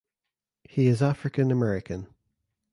He is African American.